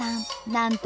なんと